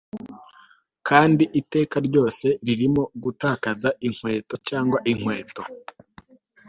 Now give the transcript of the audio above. Kandi iteka ryose ririmo gutakaza inkweto cyangwa inkweto